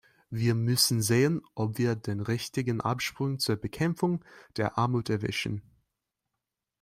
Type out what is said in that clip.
Wir müssen sehen, ob wir den richtigen Absprung zur Bekämpfung der Armut erwischen.